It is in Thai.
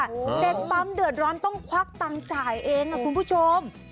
เด็กปั๊มเดือดร้อนต้องควักตังค์จ่ายเองนะคุณผู้ชม